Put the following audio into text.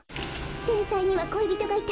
「てんさいにはこいびとがいた！？